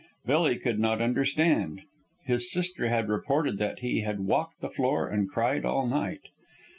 Billy could not understand. His sister had reported that he had walked the floor and cried all night.